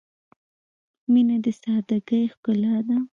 • مینه د سادګۍ ښکلا ده.